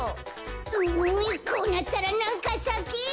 うんこうなったらなんかさけ！